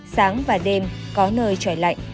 sáng và đêm có nơi trời lạnh